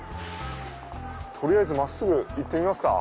取りあえず真っすぐ行ってみますか。